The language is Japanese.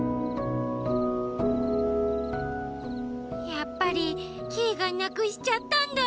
やっぱりキイがなくしちゃったんだ。